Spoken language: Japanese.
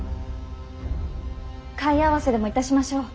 貝合わせでもいたしましょう。